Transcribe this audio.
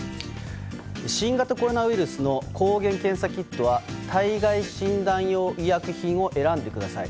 新型コロナウイルスの抗原検査キットは体外診断用医薬品を選んでください。